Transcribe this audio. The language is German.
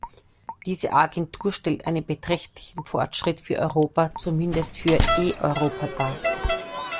Diese Agentur stellt einen beträchtlichen Fortschritt für Europa, zumindest für eEuropa, dar.